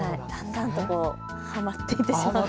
だんだんとはまっていってしまう。